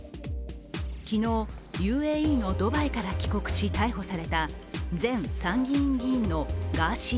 昨日、ＵＡＥのドバイから帰国し、逮捕された前参議院議員のガーシー